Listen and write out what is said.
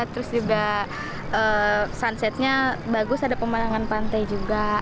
terus juga sunsetnya bagus ada pemandangan pantai juga